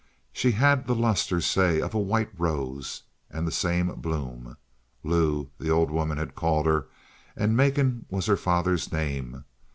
She had the luster, say, of a white rose, and the same bloom. Lou, the old woman had called her, and Macon was her father's name.